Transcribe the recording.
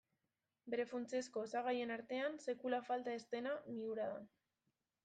Bere funtsezko osagaien artean, sekula falta ez dena, mihura da.